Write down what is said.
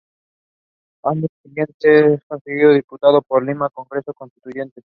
Al año siguiente es elegido diputado por Lima al Congreso Constituyente.